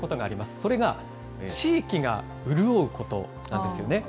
それが地域が潤うことなんですよね。